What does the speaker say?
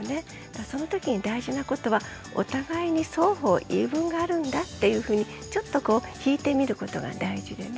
そのときに大事なことはお互いに双方言い分があるんだっていうふうにちょっと引いてみることが大事でね。